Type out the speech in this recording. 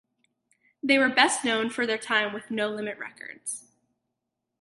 They were best known for their time with No Limit Records.